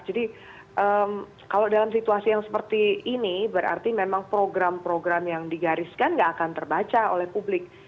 jadi kalau dalam situasi yang seperti ini berarti memang program program yang digariskan nggak akan terbaca oleh publik